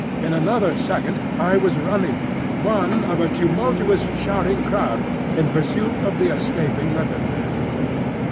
In another second I was running, one of a tumultuous shouting crowd, in pursuit of the escaping Leopard man.